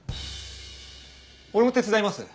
俺も手伝います。